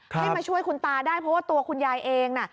ให้มาช่วยคุณตาได้เพราะว่าตัวคุณยายเองน่ะ